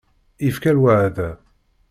Yefka lweɛda.